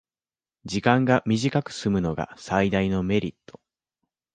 時間が短くすむのが最大のメリット